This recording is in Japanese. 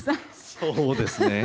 そうですね。